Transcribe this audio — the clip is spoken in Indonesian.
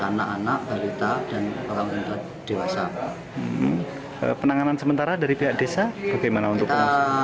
anak anak balita dan orang dewasa penanganan sementara dari pihak desa bagaimana untuk